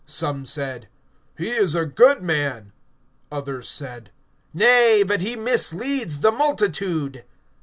Some said: He is a good man; others said: Nay, but he misleads the multitude.